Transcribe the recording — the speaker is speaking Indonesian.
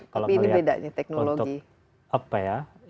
tapi ini bedanya teknologi